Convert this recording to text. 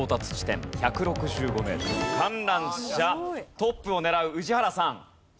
トップを狙う宇治原さん。